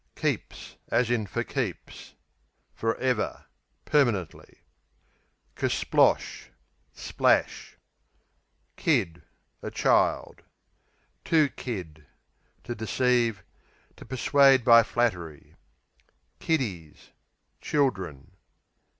Keeps, for For ever; permanently. Kersplosh Splash. Kid A child. Kid, to To deceive; to persuade by flattery. Kiddies Children.